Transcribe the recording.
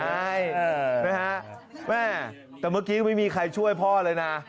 ใช่นะฮะแม่แต่เมื่อกี้ไม่มีใครช่วยพ่อเลยนะ